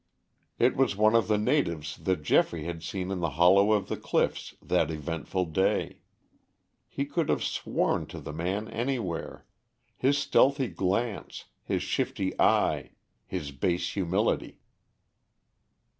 It was one of the natives that Geoffrey had seen in the hollow of the cliffs that eventful day. He could have sworn to the man anywhere his stealthy glance, his shifty eye, his base humility.